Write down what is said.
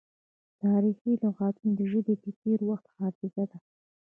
تاریخي لغتونه د ژبې د تیر وخت حافظه ده.